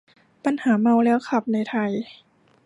ปัญหาเมาแล้วขับในไทย